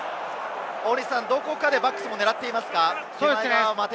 どこかでバックスも狙っていますか？